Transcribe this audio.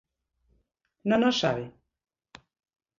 ¿Non o sabe?